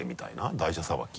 台車さばき。